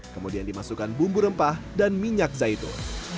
kemudian dimasukkan bumbu rempah dan minyak zaitun